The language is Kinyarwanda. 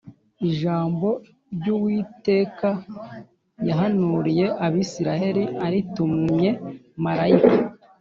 Ijambo ry’Uwiteka yahanuriye Abisirayeli aritumye Malaki.